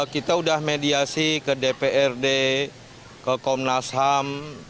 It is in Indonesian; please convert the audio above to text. kita sudah mediasi ke dprd ke komnas ham